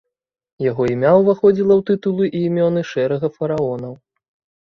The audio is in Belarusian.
Яго імя ўваходзіла ў тытулы і імёны шэрага фараонаў.